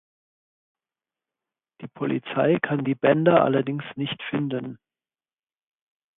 Die Polizei kann die Bänder allerdings nicht finden.